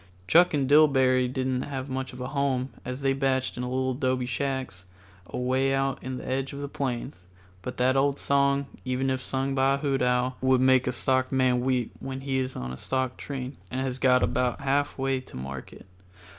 Chuck and Dillbery didn't have much of a home, as they batched in little dobe shacks away out on the edge of the plains; but that old song, even if sung by a hoot owl, would make a stockman weep when he is on a stock train and has got about half way to market.